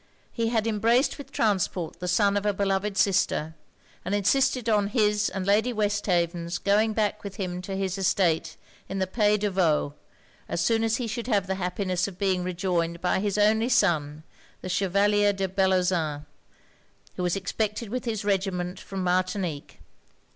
He had embraced with transport the son of a beloved sister, and insisted on his and Lady Westhaven's going back with him to his estate in the Païs de Vaud, as soon as he should have the happiness of being rejoined by his only son, the Chevalier de Bellozane, who was expected with his regiment from Martinique.